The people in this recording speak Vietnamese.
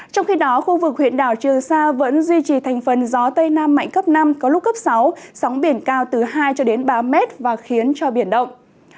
trong khi đó khu vực huyện đảo trường sa vẫn duy trì thành phần gió tây nam mạnh cấp sáu sóng biển cao từ hai ba m và khiến cho biển động